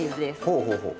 ほうほうほう。